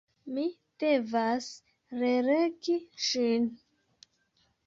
Mi devas relegi ĝin.